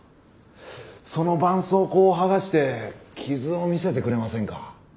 その絆創膏を剥がして傷を見せてくれませんか？